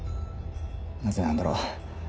なぜなんだろう。